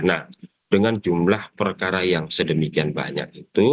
nah dengan jumlah perkara yang sedemikian banyak itu